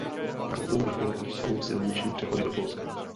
Na obou vrcholech jsou silniční přechody do Polska.